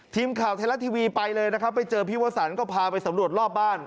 ทีมข่าวไทยรัฐทีวีไปเลยนะครับไปเจอพี่วสันก็พาไปสำรวจรอบบ้าน